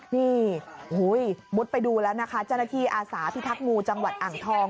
นี่หุ้ยมุดไปดูแล้วนะคะจรภิอาสาพิทักษ์งูจังหวัดอ่างทอง